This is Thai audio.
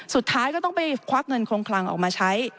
สุดท้ายก็ต้องไปควักเงินคงคลังออกมาใช้